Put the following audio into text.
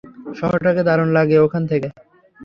শহরটাকে দারুণ লাগে ওখান থেকে।